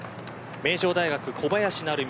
名城大学、小林成美。